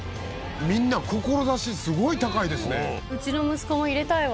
みんな志すごい高いですね。